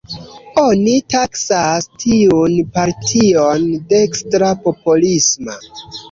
Oni taksas tiun partion dekstra-popolisma.